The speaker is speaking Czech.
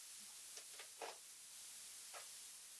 Řád je udílen v pěti řádných třídách a náleží k němu i jedna medaile.